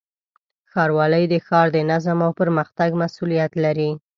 ښاروالۍ د ښار د نظم او پرمختګ مسؤلیت لري.